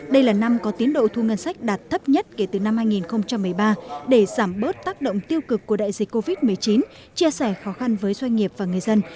đây là năm có tiến độ thu ngân sách đạt thấp nhất kể từ năm hai nghìn một mươi ba để giảm bớt tác động tiêu cực của đại dịch covid một mươi chín chia sẻ khó khăn với doanh nghiệp và người dân